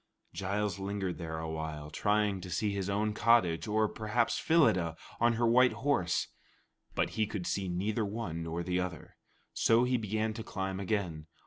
Giles lingered there a while, trying to see his own cottage, or perhaps Phyllida on her white horse; but he could see neither one nor the other. So he began to climb again.